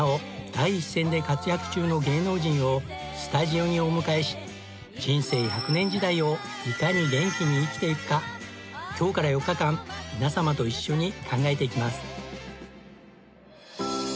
第一線で活躍中の芸能人をスタジオにお迎えし人生１００年時代をいかに元気に生きていくか今日から４日間皆様と一緒に考えていきます。